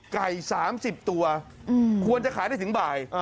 ๓๐ตัวควรจะขายได้ถึงบ่าย